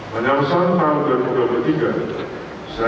menyelesaikan dua ratus dua puluh tiga saya ingin mengingatkan kembali pesan